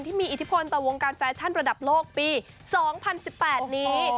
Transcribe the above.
อิทธิพลต่อวงการแฟชั่นระดับโลกปี๒๐๑๘นี้